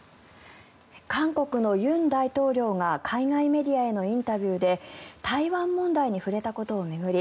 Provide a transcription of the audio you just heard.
韓国の尹大統領が海外メディアのインタビューで台湾問題に触れたことを巡り